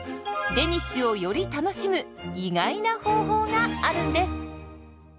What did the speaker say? デニッシュをより楽しむ意外な方法があるんです。